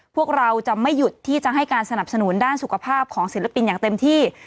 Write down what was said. พวกเราจะไม่หยุดที่จะให้การสนับสนุนด้านสุขภาพของศิลปินอย่างเต็มที่